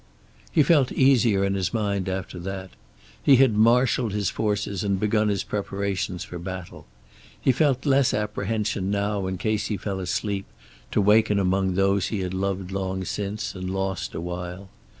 He felt easier in his mind after that. He had marshalled his forces and begun his preparations for battle. He felt less apprehension now in case he fell asleep, to waken among those he had loved long since and lost awhile.